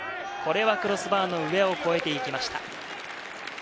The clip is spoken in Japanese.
これはクロスバーの上を越えていきました。